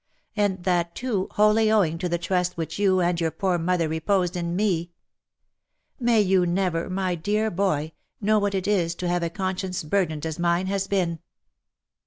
And that, too, wholly owing to the trust which you, and your poor mother reposed in me ! May you never, my dear boy, know what it is to have a conscience burdened as mine has been.